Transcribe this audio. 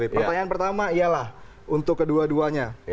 pertanyaan pertama ialah untuk kedua duanya